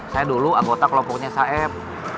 saya dulu anggota kelompoknya saep